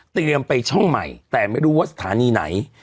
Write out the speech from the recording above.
ไปช่องใหม่แต่ไม่รู้ว่าสถานีไหน